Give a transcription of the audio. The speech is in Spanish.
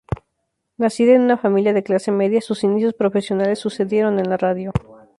Nacida en una familia de clase media, sus inicios profesionales sucedieron en la radio.